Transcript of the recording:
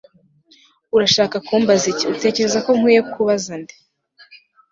Urashaka kumbaza iki Utekereza ko nkwiye kubaza nde